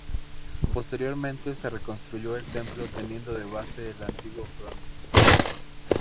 Posteriormente se reconstruyó el templo teniendo de base el antiguo frontis.